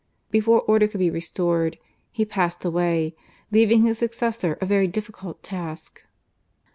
Before order could be restored he passed away leaving his successor a very difficult task.